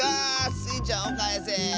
スイちゃんをかえせ。